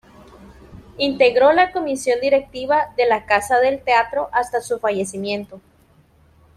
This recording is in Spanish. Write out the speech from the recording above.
Integró la comisión directiva de la "Casa del Teatro" hasta su fallecimiento.